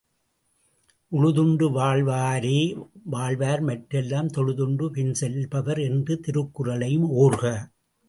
உழுதுண்டு வாழ்வாரே வாழ்வார்மற் றெல்லாம் தொழுதுண்டு பின்செல் power என்ற திருக்குறளையும் ஓர்க.